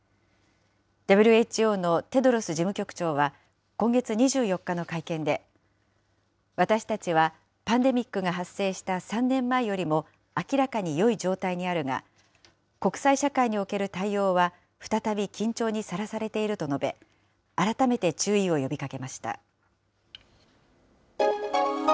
ＷＨＯのテドロス事務局長は今月２４日の会見で、私たちはパンデミックが発生した３年前よりも明らかによい状態にあるが、国際社会における対応は、再び緊張にさらされていると述べ、改めて注意を呼びかけました。